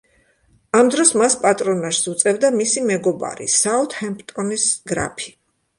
ამ დროს მას პატრონაჟს უწევდა მისი მეგობარი, საუთჰემპტონის გრაფი.